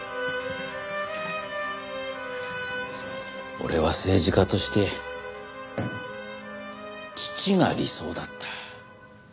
俺は政治家として義父が理想だった。